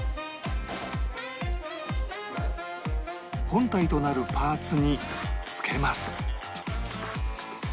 本体となるパーツにつけます